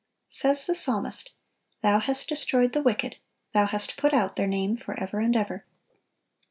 Says the psalmist: "Thou hast destroyed the wicked, Thou hast put out their name forever and ever.